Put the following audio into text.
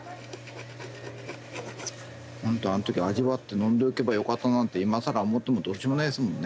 ほんとあの時味わって飲んでおけばよかったなんて今更思ってもどうしようもないですもんね。